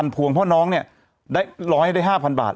๕๐๐๐พวงเพราะน้องเนี่ยร้อยได้๕๐๐๐บาท